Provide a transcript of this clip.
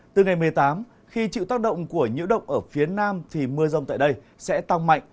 từ ngày một mươi tám khi chịu tác động của nhiễu động ở phía nam thì mưa rông tại đây sẽ tăng mạnh